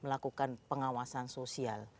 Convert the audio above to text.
melakukan pengawasan sosial